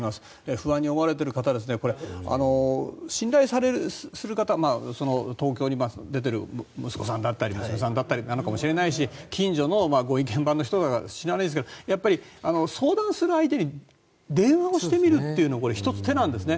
不安に思われている方は信頼する方東京に出ている息子さんだったり娘さんだったりかもしれないし近所のご意見番の人か知らないですがやっぱり相談する相手に電話をしてみるというのは１つ、手なんですね。